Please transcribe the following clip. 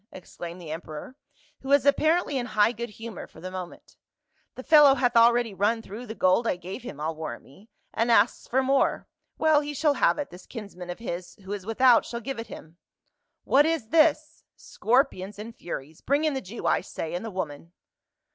exclaimed the emperor, who was apparently in high good humor for the moment. " The fellow hath already run through the gold I gave him I'll warrant me, and asks for more. Well, he shall have it, this kinsman of his who is without shall give it him. — What is this ! scor pions and furies ! Bring in the Jew, I say, and the woman."